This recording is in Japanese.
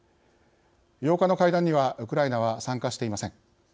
８日の会談にはウクライナは参加していません。